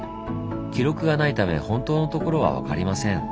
記録がないため本当のところは分かりません。